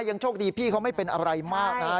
ยังโชคดีพี่เขาไม่เป็นอะไรมากนะ